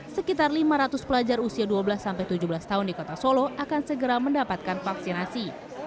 sekitar lima ratus pelajar usia dua belas tujuh belas tahun di kota solo akan segera mendapatkan vaksinasi